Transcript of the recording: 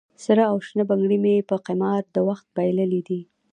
سره او شنه بنګړي مې په قمار د وخت بایللې دي